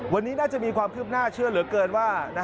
วันนี้น่าจะมีความคืบหน้าเชื่อเหลือเกินว่า